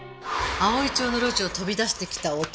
葵町の路地を飛び出してきた男。